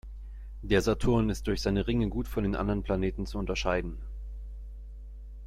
Der Saturn ist durch seine Ringe gut von den anderen Planeten zu unterscheiden.